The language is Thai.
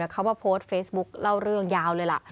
เขามาโพสต์เฟซบุ๊คเล่าเรื่องยาวเลยล่ะ